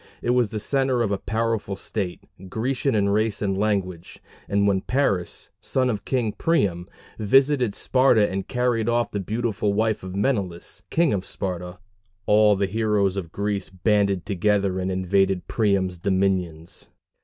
It was the centre of a powerful state, Grecian in race and language; and when Paris, son of King Priam, visited Sparta and carried off the beautiful wife of Menelaus, king of Sparta, all the heroes of Greece banded together and invaded Priam's dominions.